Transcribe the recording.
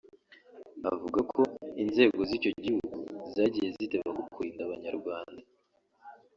avuga ko inzego z’icyo gihugu zagiye ziteba ku kurinda Abanyarwanda